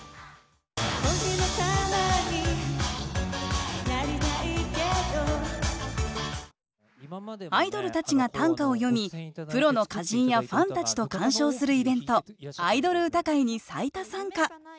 お姫様になりたいけどアイドルたちが短歌を詠みプロの歌人やファンたちと鑑賞するイベントアイドル歌会に最多参加。